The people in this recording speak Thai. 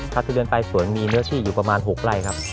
ทะเบียนปลายสวนมีเนื้อที่อยู่ประมาณ๖ไร่ครับ